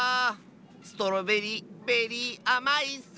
ストロベリーベリーあまいッス！